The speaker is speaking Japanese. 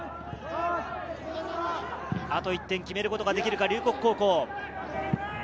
あと１点決めることができるか龍谷高校。